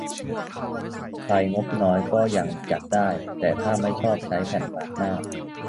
ใครงบน้อยก็ยังจัดได้ แต่ถ้าไม่ชอบใช้แผ่นมาสก์หน้า